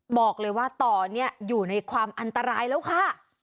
บอกเลยว่าต่อเนี่ยอยู่ในความอันตรายแล้วค่ะ